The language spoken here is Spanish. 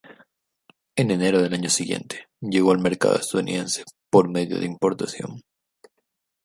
En enero del año siguiente, llegó al mercado estadounidense por medio de importación.